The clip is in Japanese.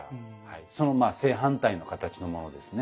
その正反対の形のものですね。